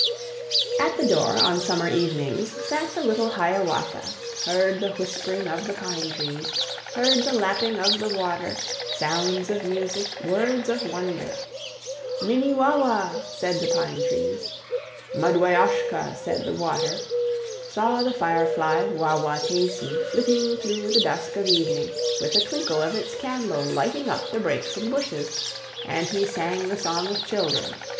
At the door, on summer evenings, Sat the little Hiawatha; Heard the whispering of the pine trees, Heard the lapping of the water, Sounds of music, words of wonder; "Minnie wawa!" said the pine trees, "Mudway aushka!" said the water; Saw the fire fly, Wah wah taysee, Flitting through the dusk of evening, With the twinkle of its candle Lighting up the brakes and bushes, And he sang the song of children.